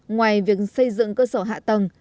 ngoài việc xây dựng cơ sở hạ tầng